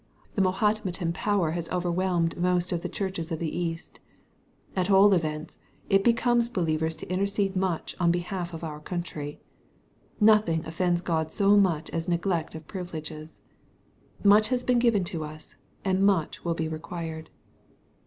The Mahometan power has overwhelmed most of the churches of the East. } At all events it becomes all believers to intercede much on behalf of our country. Nothing ofifends God so much t as neglect of privileges. Much has been given to us, j and much will be required.